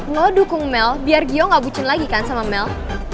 no dukung mel biar gio nggak bucin lagi kan sama mel